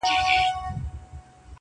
• زه به دا ټول كندهار تاته پرېږدم.